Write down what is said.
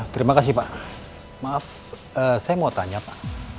terima kasih pak maaf saya mau tanya pak